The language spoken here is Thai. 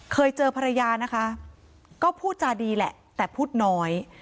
เคยเจอภรรยานะคะก็พูดจาดีแหละแต่พูดน้อย